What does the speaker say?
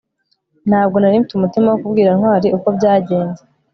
ntabwo nari mfite umutima wo kubwira ntwali uko byagenze